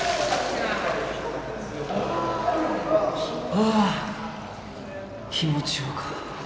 ・ああ気持ちよか。